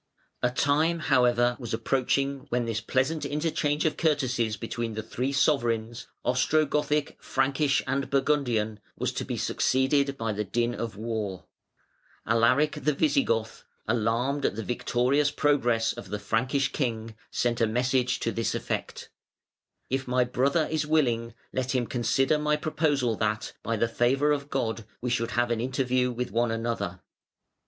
] A time, however, was approaching when this pleasant interchange of courtesies between the three sovereigns, Ostrogothic, Frankish, and Burgundian, was to be succeeded by the din of wan Alaric the Visigoth, alarmed at the victorious progress of the Frankish king, sent a message to this effect: "If my brother is willing, let him consider my proposal that, by the favour of God, we should have an interview with one another".